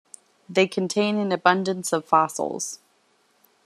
They contain an abundance of fossils.